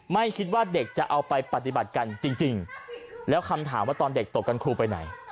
ไม่คิดว่าเด็กจะเอาไปปฏิบัติกันจริงแล้วคำถามว่าตอนเด็กตกกันครูไปไหน